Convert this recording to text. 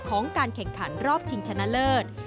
ของการแข่งขันรอบชิงชนะเลิศ